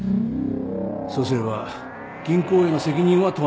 そうすれば銀行への責任は問わない。